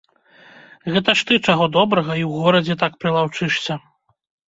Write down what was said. Гэта ж ты, чаго добрага, і ў горадзе так прылаўчышся.